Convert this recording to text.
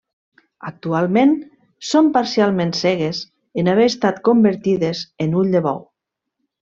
Actualment són parcialment cegues, en haver estat convertides en ull de bou.